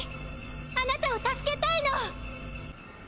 あなたを助けたいの！！